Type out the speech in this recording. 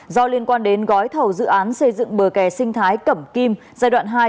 do liên quan đến gói thầu dự án xây dựng bờ kè sinh thái cẩm kim giai đoạn hai